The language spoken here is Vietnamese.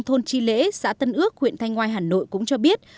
thôn tri lễ xã tân ước huyện thanh ngoai hà nội cũng cho biết